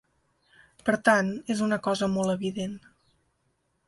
Per tant, és una cosa molt evident.